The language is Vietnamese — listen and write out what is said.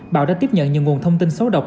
bảo đã tiếp nhận nhiều nguồn thông tin xấu độc